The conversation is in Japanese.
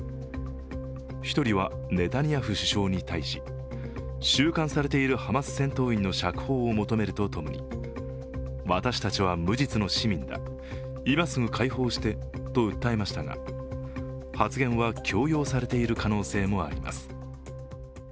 １人はネタニヤフ首相に対し、収監されているハマス戦闘員の釈放を求めるとともに私たちは無実の市民だ、今すぐ解放してと訴えましたが発言は強要されている可能性もあります。